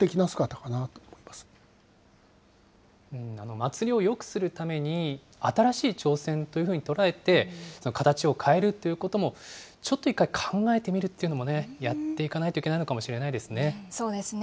祭りをよくするために、新しい挑戦というふうにとらえて、形を変えるっていうことも、ちょっと一回考えてみるというのもやっていかないといけないのかそうですね。